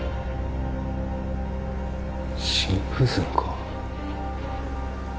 心不全か？